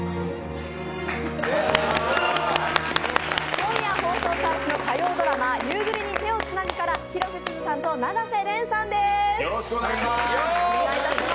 今夜放送開始の火曜ドラマ「夕暮れに、手をつなぐ」から広瀬すずさんと永瀬廉さんです！